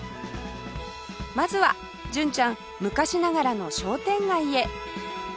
まずは純ちゃん昔ながらの商店街へ